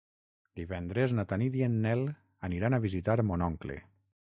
Divendres na Tanit i en Nel aniran a visitar mon oncle.